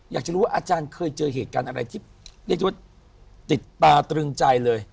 อยากจะรู้ว่าอาจารย์เคยเจอเหตุการณ์อะไรที่เรียกได้ว่าติดตาตรึงใจเลย